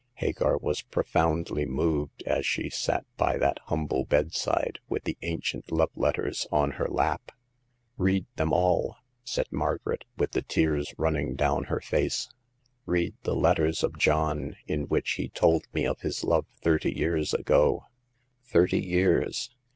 Hagar was profoundly moved as she sat by that humble bedside with the ancient love letters on her lap. " Read them all," said Margaret, with the tears running down her face ;" read the letters of John in which he told me of his love thirty years ago. Thirty years